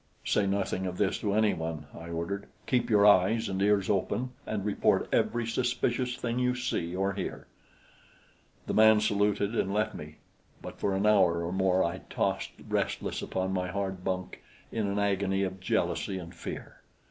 "Say nothing of this to anyone," I ordered. "Keep your eyes and ears open and report every suspicious thing you see or hear." The man saluted and left me; but for an hour or more I tossed, restless, upon my hard bunk in an agony of jealousy and fear.